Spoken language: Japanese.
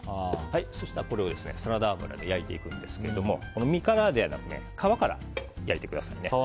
そうしたらサラダ油で焼いていくんですが身からではなく皮から焼いてくださいね。